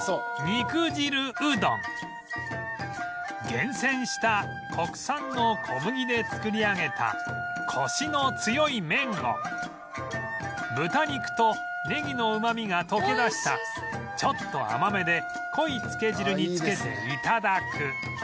厳選した国産の小麦で作り上げたコシの強い麺を豚肉とねぎのうまみが溶け出したちょっと甘めで濃いつけ汁につけて頂く